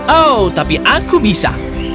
oh tapi aku bisa